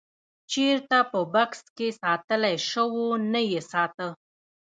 چېرته په بکس کې ساتلی شوو نه یې ساته.